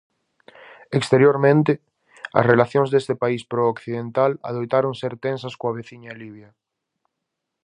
Exteriormente, as relacións deste país prooccidental adoitaron ser tensas coa veciña Libia.